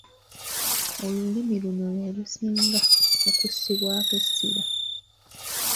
Olulimi luno lwe lusinga okussibwako essira.